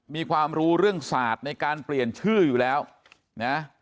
มีความรู้เรื่องศาสตร์ในการเปลี่ยนชื่ออยู่แล้วนะ